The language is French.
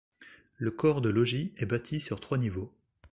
Le corps de logis est bâti sur trois niveaux.